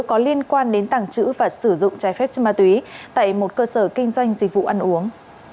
có liên quan đến tàng trữ và sử dụng trái phép chất ma túy tại một cơ sở kinh doanh dịch vụ ăn uống